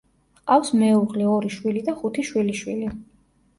ჰყავს მეუღლე, ორი შვილი და ხუთი შვილიშვილი.